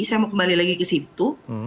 saya mau kembali lagi ke situ